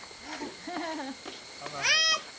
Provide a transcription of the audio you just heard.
待って！